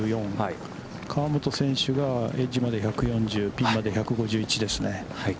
河本選手がエッジまで１４０、ピンまで１５１ですね。